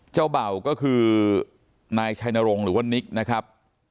เจ้าเบาก็คือนายชายนโรงหรือว่านิกนะครับ